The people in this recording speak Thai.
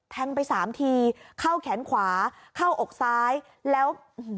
แทงไปสามทีเข้าแขนขวาเข้าอกซ้ายแล้ว